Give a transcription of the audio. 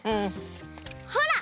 ほら！